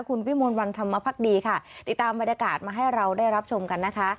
คุณวิมวลวันธรรมพักดีค่ะติดตามบรรยากาศมาให้เราได้รับชมกันนะคะ